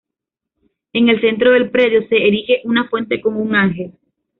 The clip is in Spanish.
En el centro del predio, se erige una fuente con un ángel.